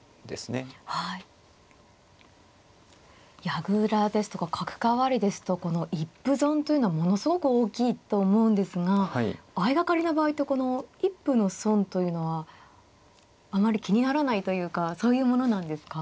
矢倉ですとか角換わりですとこの一歩損というのはものすごく大きいと思うんですが相掛かりの場合ってこの一歩の損というのはあまり気にならないというかそういうものなんですか？